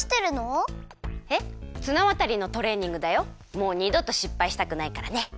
もうにどとしっぱいしたくないからね。